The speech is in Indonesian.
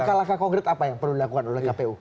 langkah langkah konkret apa yang perlu dilakukan oleh kpu